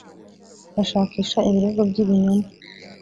bashakisha ibirego by ibinyoma